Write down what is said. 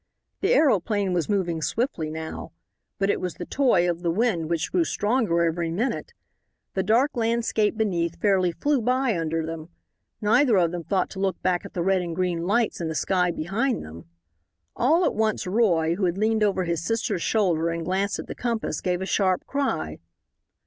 The aeroplane was moving swiftly now. But it was the toy of the wind, which grew stronger every minute. The dark landscape beneath fairly flew by under them. Neither of them thought to look back at the red and green lights in the sky behind them. All at once, Roy, who had leaned over his sister's shoulder and glanced at the compass, gave a sharp cry.